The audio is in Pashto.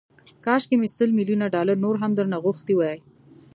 کاشکي مې سل ميليونه ډالر نور هم درنه غوښتي وای.